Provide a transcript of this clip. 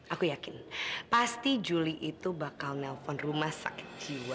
aku yakin pasti juli itu bakal nelfon rumah sakit jiwa